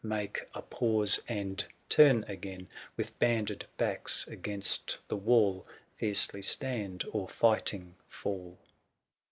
Make a pause, and turn again — With banded backs against the wall, Fiercely stand, or fighting fall.